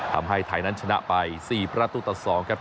ทำให้ไทยนั้นชนะไป๔ประตูต่อ๒ครับ